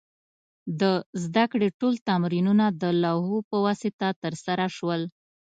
د زده کړې ټول تمرینونه د لوحو په واسطه ترسره شول.